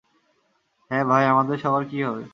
হ্যাঁ ভাই, আমাদের সবার কি হবে।